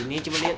ini cuma lihat